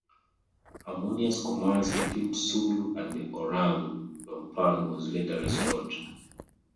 Harmonious commerce between Sulu and the Orang Dampuan was later restored.